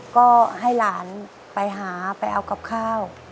ก็ให้หลานไปหาไปเอากับข้าว